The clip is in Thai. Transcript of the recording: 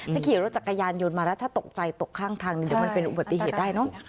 ถ้าขี่รถจักรยานยนต์มาแล้วถ้าตกใจตกข้างทางเดี๋ยวมันเป็นอุบัติเหตุได้เนอะ